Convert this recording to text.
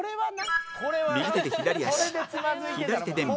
右手で左足左手で右足